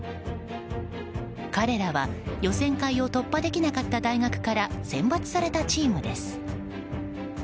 彼らは予選会を突破できなかった大学から選抜されたチームです。